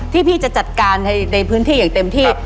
พี่จะจัดการในพื้นที่อย่างเต็มที่